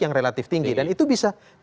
yang relatif tinggi dan itu bisa